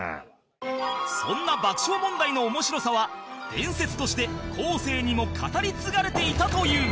そんな爆笑問題の面白さは伝説として後世にも語り継がれていたという